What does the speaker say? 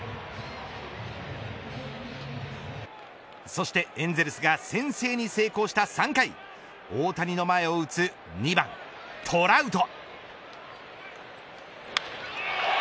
そしてエンゼルスが先制に成功した３回大谷の前を打つ２番、トラウト。